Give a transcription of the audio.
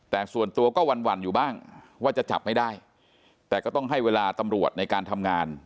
แต่ส่วนตัวก็หวั่นอยู่บ้างว่าจะจับไม่ได้แต่ก็ต้องให้เวลาตำรวจในการทำงาน